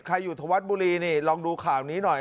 อยู่ธวัดบุรีนี่ลองดูข่าวนี้หน่อย